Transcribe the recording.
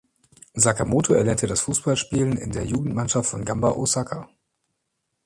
Sakamoto erlernte das Fußballspielen in der Jugendmannschaft von Gamba Osaka.